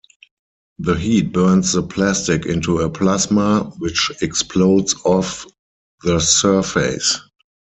The heat burns the plastic into a plasma, which explodes off the surface.